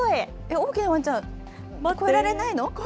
大きなワンちゃん、越えられないの？